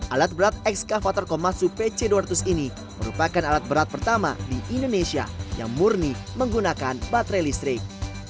alat berat ekskavator komansu pc dua ratus ini merupakan alat berat pertama di indonesia yang murni menggunakan baterai listrik